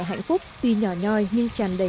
hạnh phúc tuy nhỏ nhoi nhưng tràn đầy